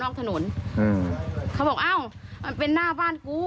ครับ